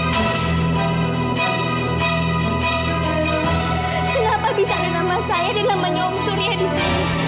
kenapa bisa ada nama saya dan namanya om surya di sini